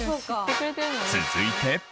続いて。